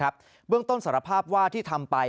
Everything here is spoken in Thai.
เบื้องต้นสารภาพว่าที่ทำไป